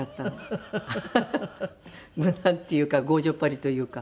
なんていうか強情っぱりというか。